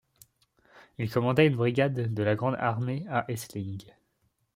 Il commandait une brigade de la Grande Armée à Essling.